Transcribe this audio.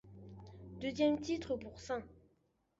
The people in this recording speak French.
Deuxième titre pour St.